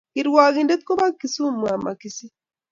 Kirwakindet ko ba Kisumu amo Kisii